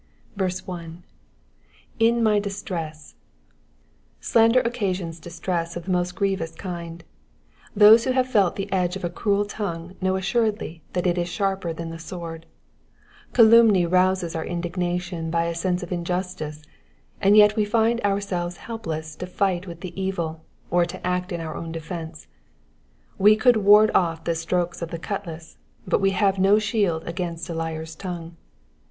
1. /;» my distress,'*^ Slander occasions distress of the most grieTOus kind. Those who have felt the edge of a cruel tongue know assor^ly that it is sharper than the sword. Calumny rouses our indignation by a sense of injustice, and yet we find ourselves helpless to fight with the evil, or to act in our own defence. We could ward off the strokes of a cutlass, but wo have no shield against a liar's tongue.